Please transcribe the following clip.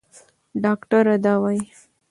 ډاکټره دا وايي.